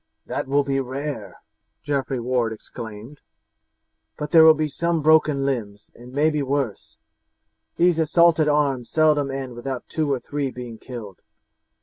"That will be rare," Geoffrey Ward exclaimed; "but there will be some broken limbs, and maybe worse. These assaults at arms seldom end without two or three being killed.